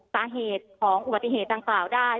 สาเหตุของอุบัติเหตุดังกล่าวได้